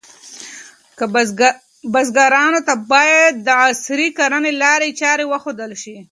بزګرانو ته باید د عصري کرنې لارې چارې وښودل شي.